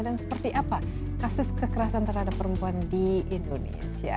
dan seperti apa kasus kekerasan terhadap perempuan di indonesia